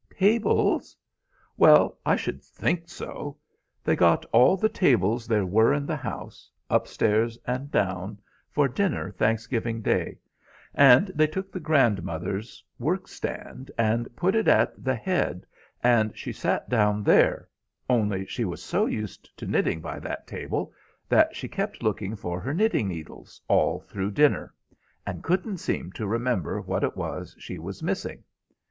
"Tables? Well, I should think so! They got all the tables there were in the house, up stairs and down, for dinner Thanksgiving Day, and they took the grandmother's work stand and put it at the head, and she sat down there; only she was so used to knitting by that table that she kept looking for her knitting needles all through dinner, and couldn't seem to remember what it was she was missing.